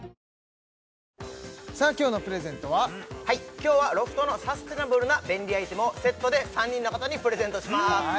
今日はロフトのサスティナブルな便利アイテムをセットで３人の方にプレゼントします